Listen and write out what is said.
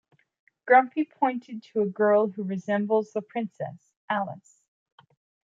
Grumpy is pointed to a girl who resembles the Princess, Alice.